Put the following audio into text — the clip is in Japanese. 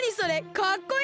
かっこいい！